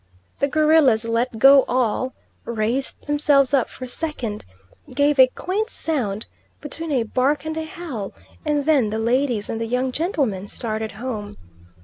The gorillas let go all, raised themselves up for a second, gave a quaint sound between a bark and a howl, and then the ladies and the young gentleman started home.